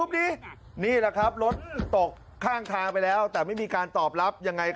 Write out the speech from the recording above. พี่กลับแล้วทุบจะตัวใหญ่น้อย